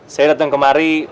saya datang kemari